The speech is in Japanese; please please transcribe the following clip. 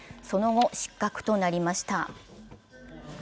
その後、失格となりました。